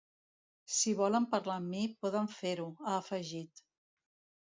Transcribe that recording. Si volen parlar amb mi, poden fer-ho, ha afegit.